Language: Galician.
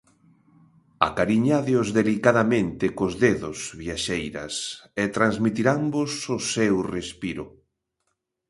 Acariñádeos delicadamente cos dedos, viaxeiras, e transmitiranvos o seu respiro.